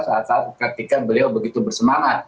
saat ketika beliau begitu bersemangat